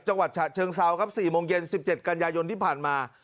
จังหวัดฉะเชิงเซาครับ๔โมงเย็น๑๗กันยายนที่ผ่านมา